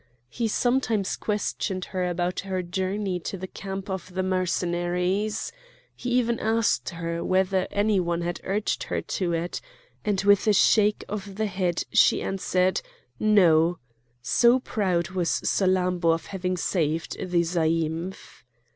He sometimes questioned her about her journey to the camp of the Mercenaries. He even asked her whether any one had urged her to it; and with a shake of the head she answered, No,—so proud was Salammbô of having saved the zaïmph.